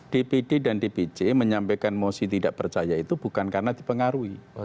dpd dan dpc menyampaikan mosi tidak percaya itu bukan karena dipengaruhi